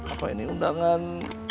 apa ini undangan